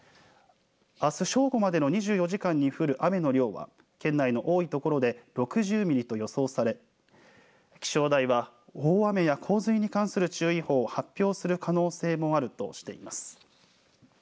あす正午までの２４時間に降る雨の量は県内の多いところで６０ミリと予想され気象台は大雨や洪水に関する注意報を発表する可能性もあるとしています。